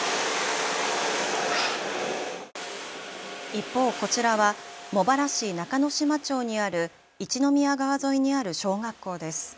一方こちらは茂原市中の島町にある一宮川沿いにある小学校です。